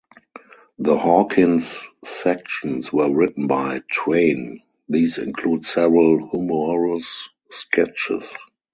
The Hawkins sections were written by Twain; these include several humorous sketches.